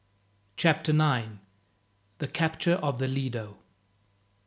Chapter 9: The Capture Of The Lido.